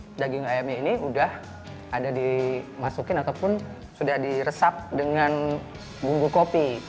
nah daging ayamnya ini sudah ada dimasukin ataupun sudah diresap dengan bumbu kopi